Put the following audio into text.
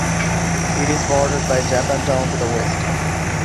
It is bordered by Japantown to the west.